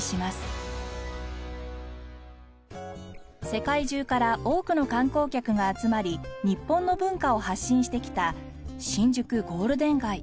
世界中から多くの観光客が集まり日本の文化を発信してきた新宿ゴールデン街。